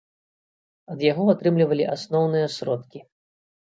Ад яго атрымлівалі асноўныя сродкі.